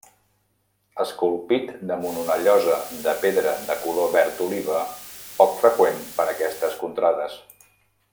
Esculpit damunt una llosa de pedra de color verd oliva, poc freqüent per aquestes contrades.